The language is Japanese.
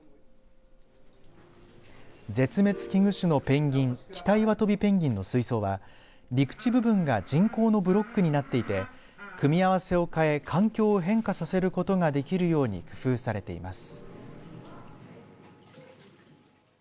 絶滅危惧種のペンギンキタイワトビペンギンの水槽は陸地部分が人工のブロックになっていて組み合わせを変え環境を変化することができるように工夫されています。